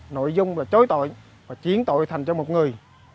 nội dung là chối tội và chiến tội thành cho một người